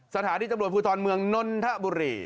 สถานีตำรวจภูทรเมืองนนทบุรี